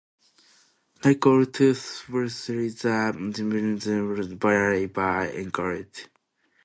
Like all toothed whales, the pygmy sperm whale hunts prey by echolocation.